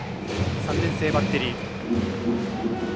３年生バッテリー。